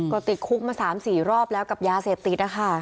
ก็ติดคุกมา๓๔รอบแล้วกับยาเสพติดนะคะ